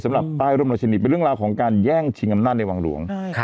สำหรับป้ายร่มราชนิทเป็นเรื่องราวของการแย่งชิงอำนาจในวังหลวง